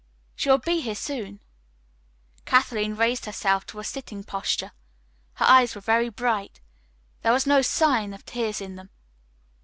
"She will be here soon." Kathleen raised herself to a sitting posture. Her eyes were very bright. There was no sign of tears in them.